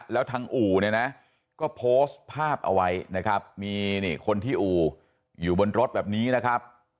แล้วทางอู่เนี่ยนะก็โพสต์ภาพเอาไว้นะครับมีนี่คนที่อู่อยู่บนรถแบบนี้นะครับ